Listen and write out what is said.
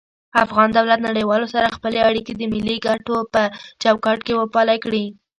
افغان دولت نړيوالو سره خپلی اړيکي د ملي کټو په چوکاټ کي وپالی کړي